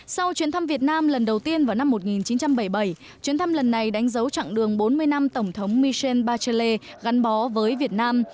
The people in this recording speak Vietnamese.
sau chuyến thăm việt nam lần đầu tiên vào năm một nghìn chín trăm bảy mươi bảy chuyến thăm lần này đánh dấu chặng đường bốn mươi năm tổng thống michel bachelle gắn bó với việt nam